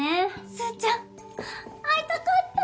すーちゃん会いたかった！